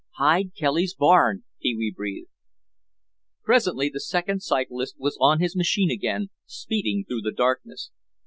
"Hide Kelly's barn," Pee wee breathed. Presently the second cyclist was on his machine again, speeding through the darkness.